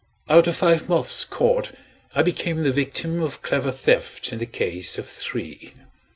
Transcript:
Out of five moths caught, I became the victim of clever theft in the case of three.